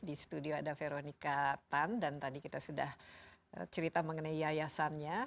di studio ada veronica tan dan tadi kita sudah cerita mengenai yayasannya